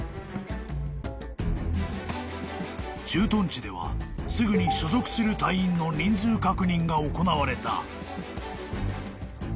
［駐屯地ではすぐに所属する隊員の人数確認が行われた］